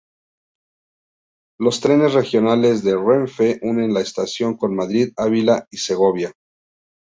Los trenes regionales de Renfe unen la estación con Madrid, Ávila y Segovia.